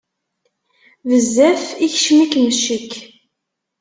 Bezzaf ikeččem-ik ccekk.